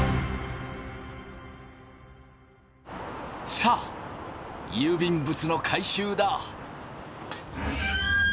さあ郵便物の回収だ！